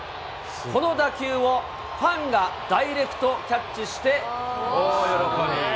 この打球をファンがダイレクトキャッチして大喜び。